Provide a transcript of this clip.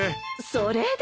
それで。